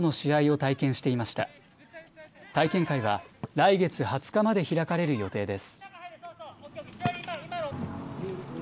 体験会は来月２０日まで開かれる予定です。